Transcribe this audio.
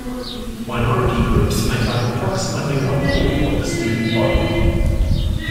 Minority groups make up approximately one-fourth of the student body.